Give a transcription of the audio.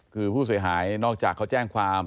คือผู้เสียหายนอกจากเขาแจ้งความ